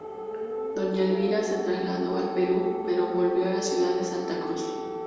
Doña Elvira se trasladó al Perú, pero volvió a la ciudad de Santa Cruz.